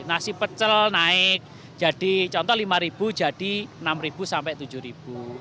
nasi pecel naik jadi contoh lima ribu jadi enam ribu sampai tujuh ribu